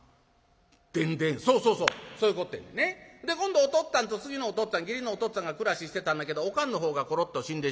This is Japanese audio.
で今度おとっつぁんと次のおとっつぁん義理のおとっつぁんが暮らししてたんだけどおかんのほうがころっと死んでしもた。